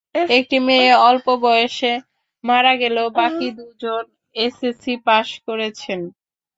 একটি মেয়ে অল্প বয়সে মারা গেলেও বাকি দুজন এসএসসি পাস করেছেন।